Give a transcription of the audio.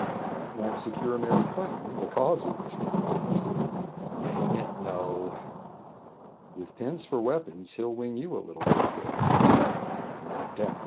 "That won't secure Mary Clinton, the cause of this contest." "Hang it, no!" "With pens for weapons he will wing you a little too quick." "No doubt.